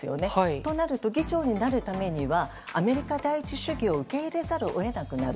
となると議長になるためにはアメリカ第一主義を受け入れざるを得なくなる。